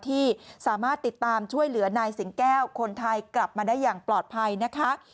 ที่สามารถติดตามช่วยเหลือนายสิงแก้วคนไทยกลับมาได้อย่างปลอดภัยนะคะ